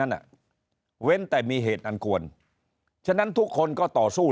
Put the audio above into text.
นั้นอ่ะเว้นแต่มีเหตุอันควรฉะนั้นทุกคนก็ต่อสู้